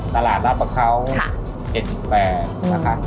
ตลาดรับประเคราะห์๗๘บาท